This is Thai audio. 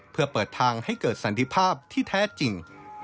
เพื่อเปิดทางให้เกิดสันติภาพที่แท้จริง